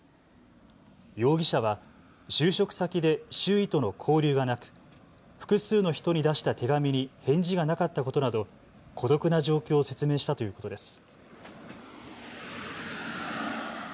容疑者は就職先で周囲との交流がなく複数の人に出した手紙に返事がなかったことなど孤独な状況を説明したということです。